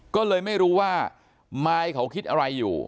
ก็เลยไม่รู้ว่ามายเขาคิดอะไรอยู่